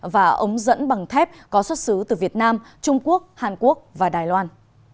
và ống dẫn bằng thép có xuất xứ từ việt nam trung quốc hàn quốc và đài loan